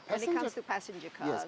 saya ingin mendengarkan